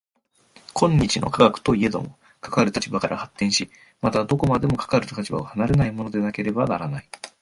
今日の科学といえども、かかる立場から発展し、またどこまでもかかる立場を離れないものでなければならない。